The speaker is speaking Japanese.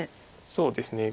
そうですね。